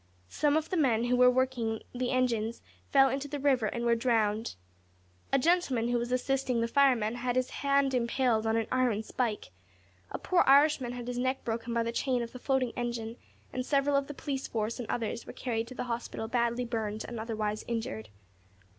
Some of the men who were working the engines fell into the river and were drowned. A gentleman who was assisting the firemen had his hand impaled on an iron spike. A poor Irishman had his neck broken by the chain of the floating engine, and several of the police force and others were carried to hospital badly burned and otherwise injured.